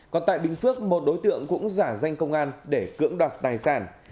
còn tại bình phước một đối tượng cũng giả danh công an để cưỡng đoạt tài sản